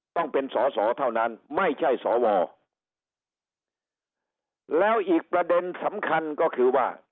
ต้องเป็นสอสอเท่านั้นไม่ใช่สวแล้วอีกประเด็นสำคัญก็คือว่า